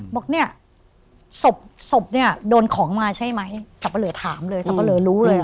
บอกเนี่ยศพเนี่ยโดนของมาใช่ไหมสับปะเหลอถามเลยสับปะเลอรู้เลย